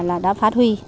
là đã phát huy